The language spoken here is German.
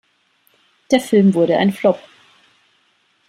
Der Film wurde ein Flop.